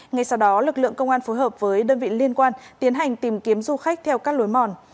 ngay sau đó lực lượng công an phối hợp với đơn vị liên quan tiến hành tìm kiếm du khách theo các lối mòn